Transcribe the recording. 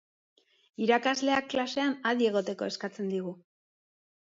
Irakasleak klasean adi egoteko eskatzen digu.